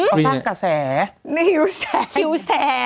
หื้มหิวแสงผู้หิวแสง